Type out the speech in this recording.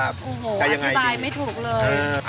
อธิบายไม่ถูกเลย